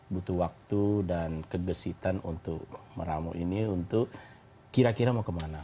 butuh waktu dan kegesitan untuk meramu ini untuk kira kira mau kemana